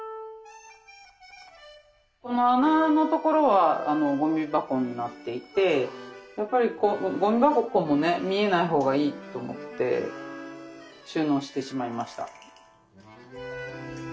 この穴のところはゴミ箱になっていてやっぱりゴミ箱もね見えない方がいいと思って収納してしまいました。